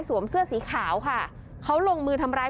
เสื้อสีขาวค่ะเขาลงมือทำร้าย